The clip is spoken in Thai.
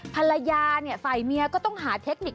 ภรรยาเนี่ยฝ่ายเมียก็ต้องหาเทคนิค